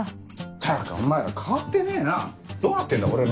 ったくお前ら変わってねえなどうなってんだ俺の同期は。